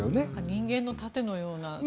人間の盾のようなという。